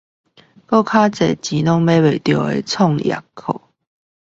再多錢都買不到的創業課